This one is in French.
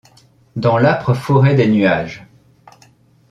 Dans l’âpre forêt des nuages